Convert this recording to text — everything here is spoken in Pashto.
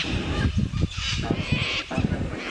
زمرد په اسانۍ نه موندل کېږي.